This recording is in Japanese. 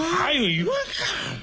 言わんか！